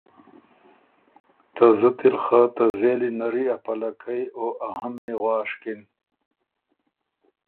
ته زُتی ل خه ته زېلی نری ا پَلَکئ او ا همني غواشکِن۔